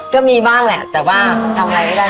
ก็มีบ้างแหละแต่ว่าทำอะไรไม่ได้